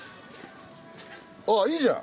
あっいいじゃん